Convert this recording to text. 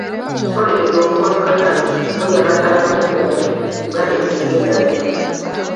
Twolekedde okugwa mu kabi kano omuli amataba n’omukka omubi Uganda efuukire ddala eddungu.